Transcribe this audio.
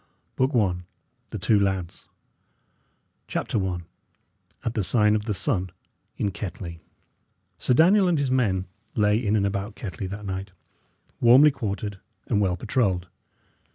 BOOK I THE TWO LADS CHAPTER I AT THE SIGN OF THE SUN IN KETTLEY Sir Daniel and his men lay in and about Kettley that night, warmly quartered and well patrolled.